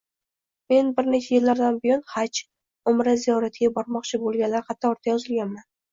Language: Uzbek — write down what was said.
Men bir necha yillardan buyon “Haj”,“Umra” ziyoratiga bormoqchi bo‘lganlar ro‘yxatiga yozilganman